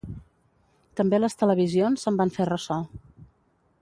També les televisions se'n van fer ressò.